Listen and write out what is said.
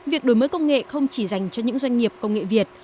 việc đổi mới công nghệ không chỉ dành cho những doanh nghiệp công nghệ việt